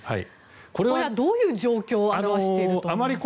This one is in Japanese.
これはどういう状況を表していると思いますか？